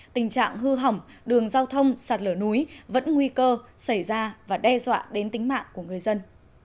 tình trạng hư hỏng đường giao thông sạt lở núi vẫn nguy cơ xảy ra và đe dọa đến tính mạng của người dân